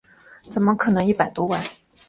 怎么可能一百多万